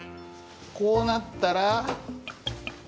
こうなったら。